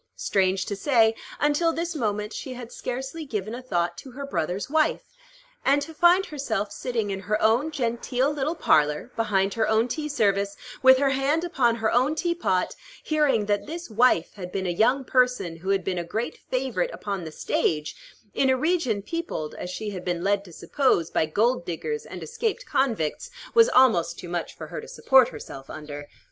Strange to say, until this moment she had scarcely given a thought to her brother's wife; and to find herself sitting in her own genteel little parlor, behind her own tea service, with her hand upon her own teapot, hearing that this wife had been a young person who had been "a great favorite" upon the stage, in a region peopled, as she had been led to suppose, by gold diggers and escaped convicts, was almost too much for her to support herself under.